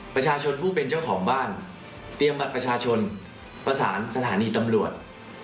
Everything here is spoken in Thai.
ประชาชนผู้เป็นเจ้าของบ้านเตรียมบัตรประชาชนประสานสถานีตำรวจ